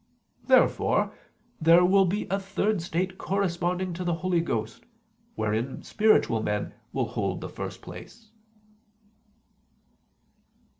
Therefore there will be a third state corresponding to the Holy Ghost, wherein spiritual men will hold the first place.